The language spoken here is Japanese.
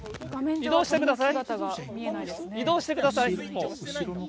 移動してください。